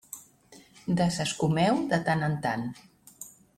Desescumeu de tant en tant.